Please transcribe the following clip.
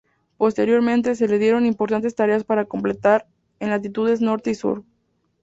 Posteriormente, se le dieron importantes tareas para completar en latitudes norte y sur.